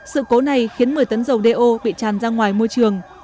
sự cố này khiến một mươi tấn dầu do bị tràn ra ngoài môi trường